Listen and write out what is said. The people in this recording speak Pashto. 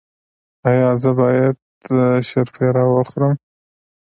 ایا زه باید شیرپیره وخورم؟